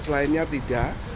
lima belas lainnya tidak